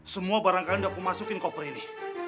semua barang kalian udah aku masukin ke koper ini